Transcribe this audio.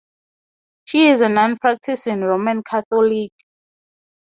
She is a non-practising Roman Catholic.